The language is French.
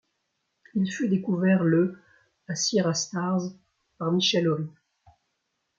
Il fut découvert le à Sierra Stars par Michel Ory.